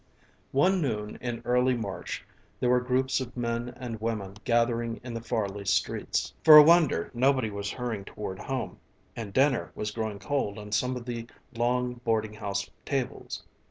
One noon in early March there were groups of men and women gathering in the Farley streets. For a wonder, nobody was hurrying toward home and dinner was growing cold on some of the long boarding house tables.